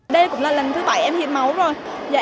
đây cũng là lần thứ bảy em hiến máu rồi